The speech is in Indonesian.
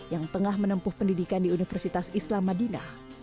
yang tengah menempuh pendidikan di universitas islam madinah